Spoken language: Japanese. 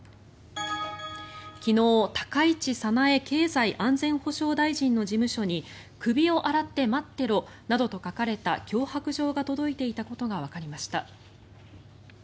昨日高市早苗経済安全保障大臣の事務所に首を洗って待ってろなどと書かれた脅迫状が届いていたことがわかりました。